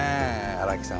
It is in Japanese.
荒木さん